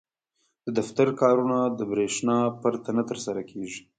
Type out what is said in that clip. • د دفتر کارونه د برېښنا پرته نه ترسره کېږي.